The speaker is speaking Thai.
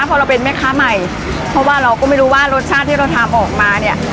พอเราเป็นแม่ค้าใหม่เพราะว่าเราก็ไม่รู้ว่ารสชาติที่เราทำออกมาเนี่ย